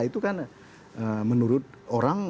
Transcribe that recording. itu kan menurut orang